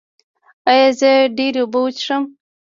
ایا زه ډیرې اوبه وڅښم؟